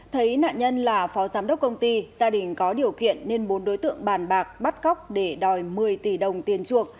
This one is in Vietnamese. thấy nạn nhân là phó giám đốc công ty gia đình có điều kiện nên bốn đối tượng bàn bạc bắt cóc để đòi một mươi tỷ đồng tiền chuộc